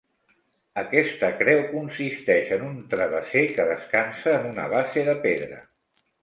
Aquesta creu consisteix en un travesser que descansa en una base de pedra.